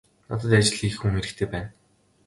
Надад ажил хийх хүн хэрэгтэй байна.